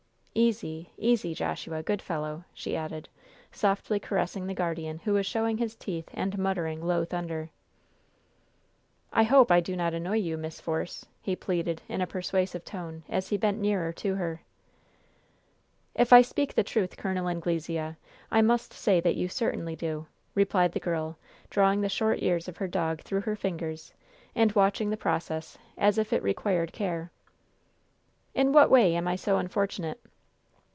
Easy easy, Joshua, good fellow!" she added, softly caressing the guardian who was showing his teeth and muttering low thunder. "I hope I do not annoy you. Miss Force," he pleaded, in a persuasive tone, as he bent nearer to her. "If I speak the truth, Col. Anglesea, I must say that you certainly do," replied the girl, drawing the short ears of her dog through her fingers and watching the process as if it required care. "In what way am I so unfortunate?"